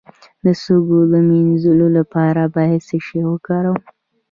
د سږو د مینځلو لپاره باید څه شی وکاروم؟